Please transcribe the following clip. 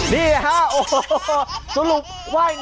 ไปว่าย